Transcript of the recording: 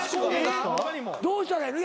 どうしたらええの？